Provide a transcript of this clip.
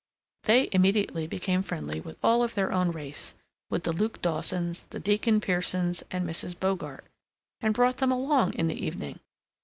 They immediately became friendly with all of their own race, with the Luke Dawsons, the Deacon Piersons, and Mrs. Bogart; and brought them along in the evening.